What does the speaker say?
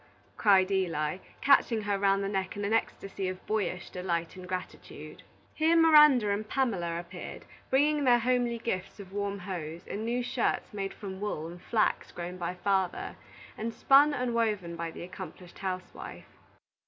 cried Eli, catching her round the neck in an ecstasy of boyish delight and gratitude. Here Miranda and Pamela appeared, bringing their homely gifts of warm hose, and new shirts made from wool and flax grown by the father, and spun and woven by the accomplished housewife.